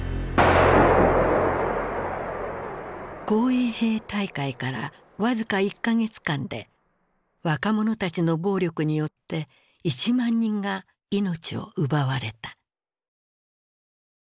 紅衛兵大会から僅か１か月間で若者たちの暴力によって１万人が命を奪われた。